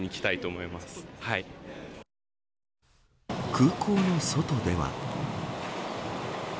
空港の外では。